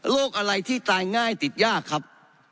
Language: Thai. อะไรที่ตายง่ายติดยากครับ